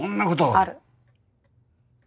ある。